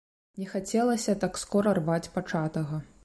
Не хацелася так скора рваць пачатага.